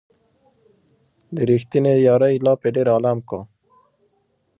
د ريښتينې يارۍ لاپې ډېر عالم کا